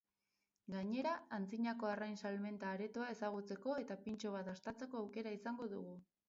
Gainera, antzinako arrain salmenta aretoa ezagutzeko eta pintxo bat dastatzeko aukera izango dugu.